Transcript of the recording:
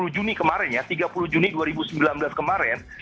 dua puluh juni kemarin ya tiga puluh juni dua ribu sembilan belas kemarin